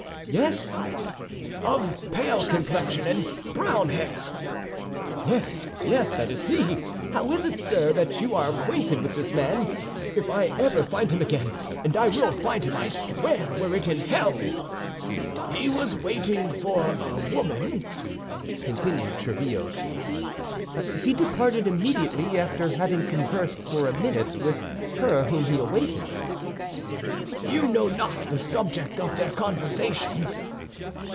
"Yes." "Of pale complexion and brown hair?" "Yes, yes, that is he; how is it, sir, that you are acquainted with this man? If I ever find him again—and I will find him, I swear, were it in hell!" "He was waiting for a woman," continued Tréville. "He departed immediately after having conversed for a minute with her whom he awaited." "You know not the subject of their conversation?"